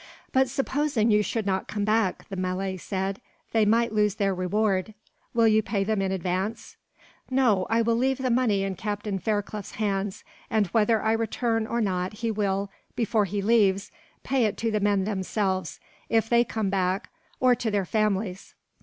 "But supposing you should not come back," the Malay said, "they might lose their reward. Will you pay them in advance?" "No. I will leave the money in Captain Fairclough's hands, and whether I return or not he will, before he leaves, pay it to the men themselves, if they come back, or to their families."